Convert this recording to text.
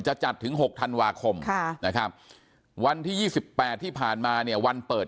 จะจัดถึง๖ธันวาคมนะครับวันที่๒๘ที่ผ่านมาเนี่ยวันเปิด